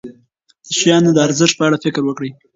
د شیانو د ارزښت په اړه فکر وکړئ.